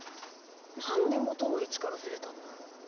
なんで元の位置からずれたんだろう？